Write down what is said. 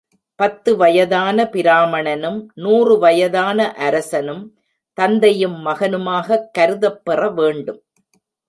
பத்து வயதான பிராமணனும் நூறு வயதான அரசனும் தந்தையும் மகனுமாகக் கருதப் பெற வேண்டும்.